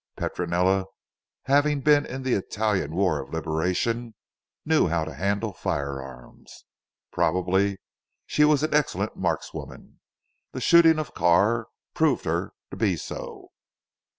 Petronella, having been in the Italian war of liberation, knew how to handle firearms. Probably she was an excellent markswoman. The shooting of Carr proved her to be so.